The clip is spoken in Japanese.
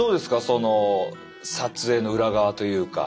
その撮影の裏側というか。